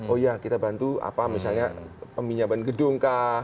oh ya kita bantu apa misalnya peminjaman gedung kah